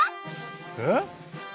えっ？